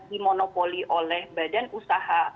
dimonopoli oleh badan usaha